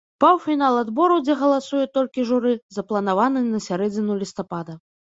Паўфінал адбору, дзе галасуе толькі журы, запланаваны на сярэдзіну лістапада.